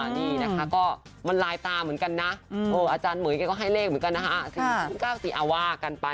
นี่นะคะก็มันลายตาเหมือนกันนะโอเคอาจารย์หมื่นเค้าก็ให้เลขเหมือนกันนะ